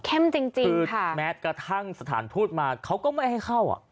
จริงจริงคือแม้กระทั่งสถานทูตมาเขาก็ไม่ให้เข้าอ่ะ